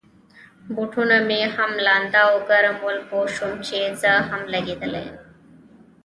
بوټونه مې هم لانده او ګرم ول، پوه شوم چي زه هم لګېدلی یم.